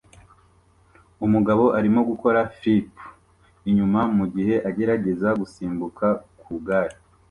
Umugabo arimo gukora flip inyuma mugihe agerageza gusimbuka ku igare